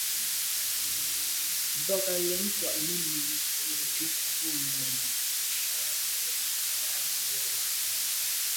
Bə̀k à' lɛ̌n kwāh nʉ́nʉ̄ cúp bú Nùngà.